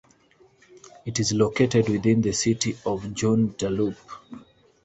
It is located within the City of Joondalup.